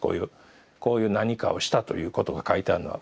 こういう何かをしたということが書いてあるのは。